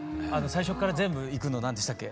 最初から全部いくの何でしたっけ？